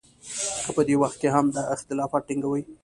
که په دې وخت کې هم دا اختلاف ټینګوي.